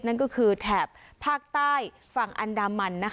นั่นก็คือแถบภาคใต้ฝั่งอันดามัน